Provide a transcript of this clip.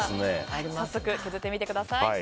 早速、削ってみてください。